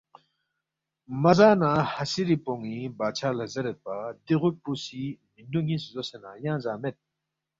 مہ زا نہ ہسِری پون٘ی بادشاہ لہ زیریدپا، دی غُوٹ پو سی مِنڈُو نِ٘یس زوسے نہ ینگ زا مید